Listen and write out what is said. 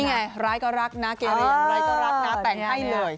นี่ไงร้ายก็รักนะเกรียร์ร้ายก็รักนะแต่งให้เลย